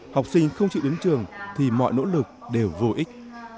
học sinh không chịu đến trường thì mọi nỗ lực đều vô ích